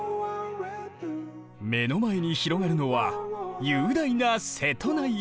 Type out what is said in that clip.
目の前に広がるのは雄大な瀬戸内海。